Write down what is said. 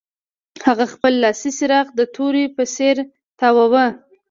هغه خپل لاسي څراغ د تورې په څیر تاواوه